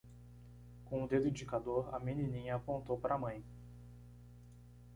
Com o dedo indicador?, a menininha apontou para a mãe.